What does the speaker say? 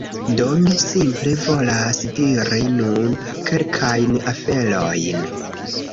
Do mi simple volas diri nun kelkajn aferojn